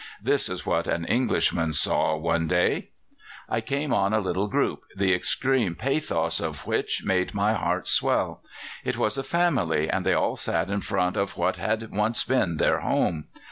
This is what an Englishman saw one day: "I came on a little group, the extreme pathos of which made my heart swell. It was a family, and they sat in front of what had once been their home.